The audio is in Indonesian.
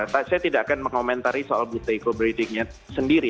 saya tidak akan mengomentari soal buteco breathingnya sendiri